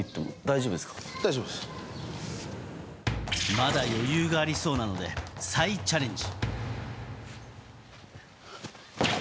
まだ余裕がありそうなので再チャレンジ。